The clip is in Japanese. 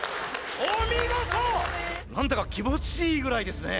何だか気持ちいいぐらいですね。